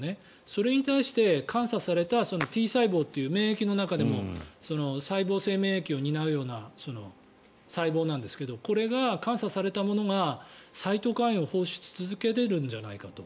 それに対して感作されたＴ細胞という免疫の中でも細胞性免疫を担うような細胞なんですけどこれが感作されたものがサイトカインを放出し続けるんじゃないかと。